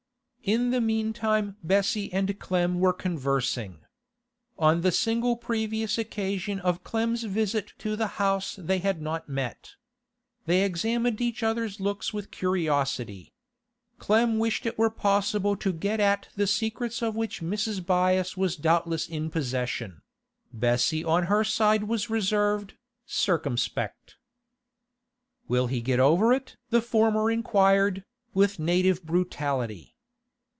In the meantime Bessie and Clem were conversing. On the single previous occasion of Clem's visit to the house they had not met. They examined each other's looks with curiosity. Clem wished it were possible to get at the secrets of which Mrs. Byass was doubtless in possession; Bessie on her side was reserved, circumspect. 'Will he get over it?' the former inquired, with native brutality.